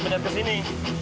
lo bedat kesini